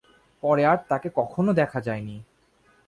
পরে আর তাকে কখনও দেখা যায়নি।